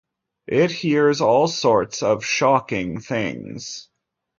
It hears all sorts of shocking things.